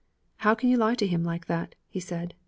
'How can you lie to him like that?' he said.